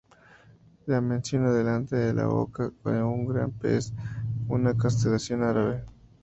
La menciona delante de la boca de un Gran Pez, una constelación árabe.